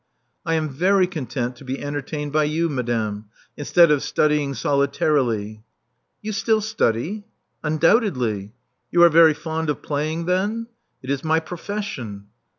I am very content to be entertained by you, madame, instead of studying solitarily." You still study?" *' Undoubtedly." You are very fond of playing, then? It is my profession."